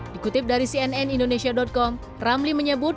dikutip dari cnn indonesia com ramli menyebut